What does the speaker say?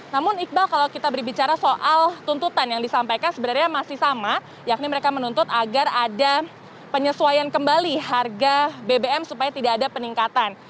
namun iqbal kalau kita berbicara soal tuntutan yang disampaikan sebenarnya masih sama yakni mereka menuntut agar ada penyesuaian kembali harga bbm supaya tidak ada peningkatan